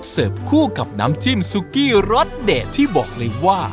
คู่กับน้ำจิ้มซุกี้รสเด็ดที่บอกเลยว่า